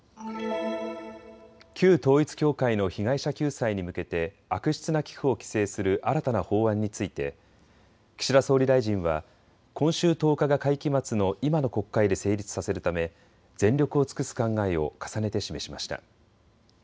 旧統一教会の被害者救済に向けて悪質な寄付を規制する新たな法案について岸田総理大臣は今週１０日が会期末の今の国会で成立させるため全力を尽くす考えを重ねて示しました。